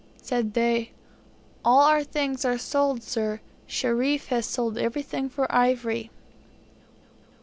Said they, "All our things are sold, sir; Sherif has sold everything for ivory."